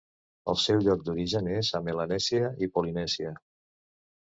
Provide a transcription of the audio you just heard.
El seu lloc d'origen és a Melanèsia i Polinèsia.